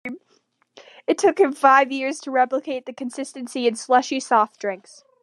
It took him five years to replicate the consistency in slushy soft drinks.